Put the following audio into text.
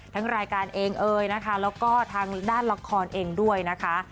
ทั้งรายการเองเอ่ยนะคะแล้วก็ทางด้านละครเองด้วยนะคะ